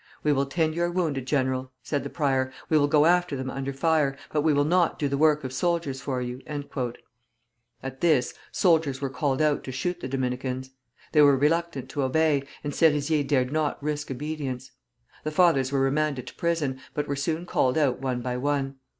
"We will tend your wounded, General," said the prior, "we will go after them under fire, but we will not do the work of soldiers for you." At this, soldiers were called out to shoot the Dominicans. They were reluctant to obey, and Serizier dared not risk disobedience. The fathers were remanded to prison, but were soon called out one by one.